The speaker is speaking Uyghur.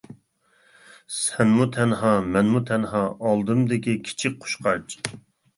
سەنمۇ تەنھا، مەنمۇ تەنھا، ئالدىمدىكى كىچىك قۇشقاچ.